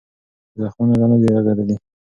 زخمونه لا نه دي رغېدلي.